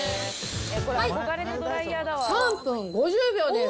はい、３分５０秒です。